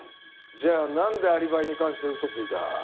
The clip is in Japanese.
じゃあなんでアリバイに関してウソついた。